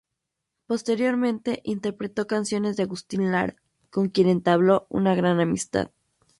Posteriormente interpretó canciones de Agustín Lara, con quien entabló una gran amistad.